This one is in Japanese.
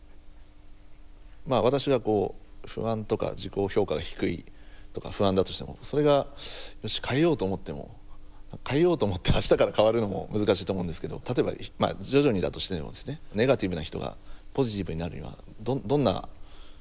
まあ私はこう不安とか自己評価が低いとか不安だとしてもそれが変えようと思っても変えようと思って明日から変わるのも難しいと思うんですけど例えばまあ徐々にだとしてネガティブな人がポジティブになるにはどんな。